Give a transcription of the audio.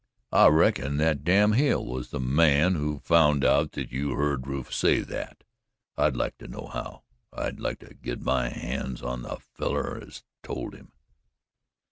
"I reckon that damn Hale was the man who found out that you heard Rufe say that. I'd like to know how I'd like to git my hands on the feller as told him."